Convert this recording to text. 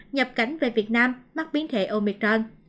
nhập cánh về việt nam mắc biến thể omicron